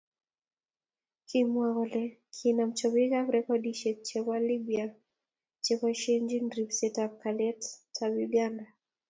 Kimwa kole kinam chobikab rediosiek chebo Libya cheboisiechinin ripsetab kalyetab Uganda